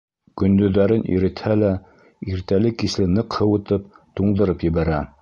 Көндөҙҙәрен иретһә лә, иртәле-кисле ныҡ һыуытып, туңдырып ебәрә.